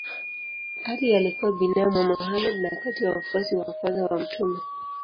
Ali alikuwa binamu wa Mohammed na kati ya wafuasi wa kwanza wa mtume.